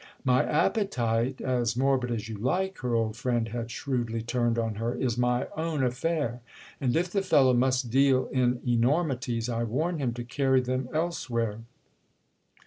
"My appetite, as morbid as you like"—her old friend had shrewdly turned on her—"is my own affair, and if the fellow must deal in enormities I warn him to carry them elsewhere!"